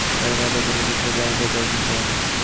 এর মাধ্যমে তিনি বিপুল জনপ্রিয়তা অর্জন করেন।